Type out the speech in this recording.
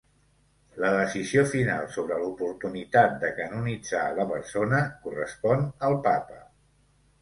La decisió final sobre l'oportunitat de canonitzar la persona correspon al papa.